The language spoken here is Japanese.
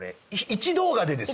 １動画でです。